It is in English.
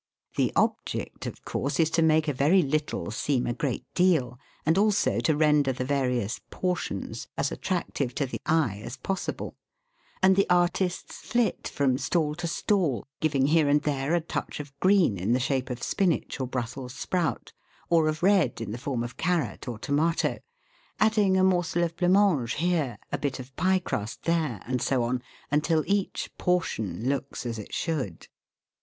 The object, of course, is to make a very little seem a great deal, and also to render the various " portions " as attractive to the eye as possible, and the " artists " flit from stall to stall, giving here and there a touch of green in the shape of spinach or Brussels sprout, or of red in the form of carrot or tomato, adding a morsel of blanc mange here, a bit of pie crust there, and so on, until each "portion " looks as it should.